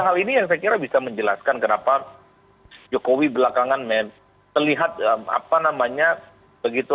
tiga hal ini ini hanya bisa menjelaskan t k jokowi terlihat aktif bicara tentang soal rol penecap presiden di tahun dua ribu dua puluh